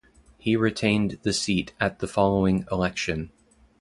He retained the seat at the following election.